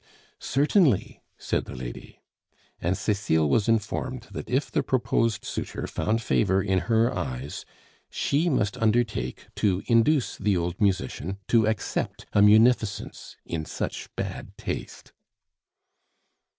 "Certainly," said the lady; and Cecile was informed that if the proposed suitor found favor in her eyes, she must undertake to induce the old musician to accept a munificence in such bad taste.